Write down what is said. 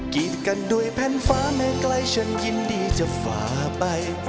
กีดกันด้วยแผ่นฟ้าไม่ไกลฉันยินดีจะฝ่าไป